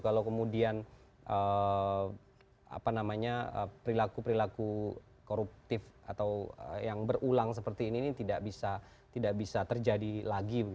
kalau kemudian perilaku perilaku koruptif atau yang berulang seperti ini tidak bisa terjadi lagi